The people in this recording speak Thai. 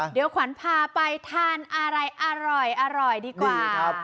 เดี๋ยวขวัญพาไปทานอะไรอร่อยดีกว่า